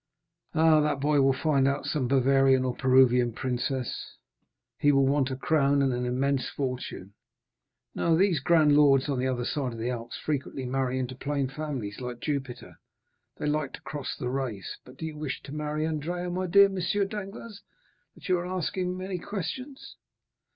"Ah, that boy will find out some Bavarian or Peruvian princess; he will want a crown, an El Dorado, and Potosí." "No; these grand lords on the other side of the Alps frequently marry into plain families; like Jupiter, they like to cross the race. But do you wish to marry Andrea, my dear M. Danglars, that you are asking so many questions?"